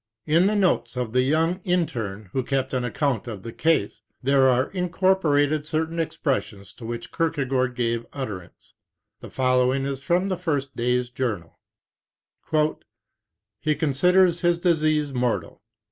In the notes of the young interne who kept an account of the case, there are incorporated certain expressions to which Kierkegaard gave utterance. The follow ing is from the first day's journal: "He considers his disease mortal.